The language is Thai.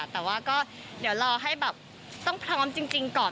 แต่ว่าก็เดี๋ยวรอให้แบบต้องพร้อมจริงก่อน